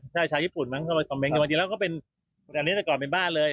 ชาวชาวญี่ปุ่นมั้งเขามาจริงแล้วก็เป็นอันนี้แต่ก่อนเป็นบ้านเลย